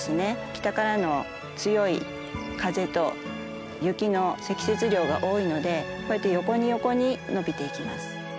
北からの強い風と雪の積雪量が多いのでこうやって横に横に伸びていきます。